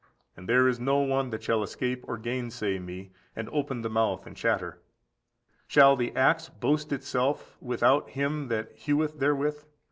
And there is no one that shall escape or gainsay me, and open the mouth and chatter. Shall the axe boast itself without him that heweth therewith?